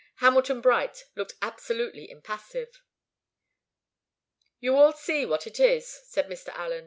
Hamilton Bright looked absolutely impassive. "You all see what it is," said Mr. Allen.